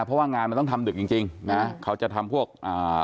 เพราะว่างานมันต้องทำดึกจริงจริงนะเขาจะทำพวกอ่า